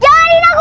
jangan ina guru go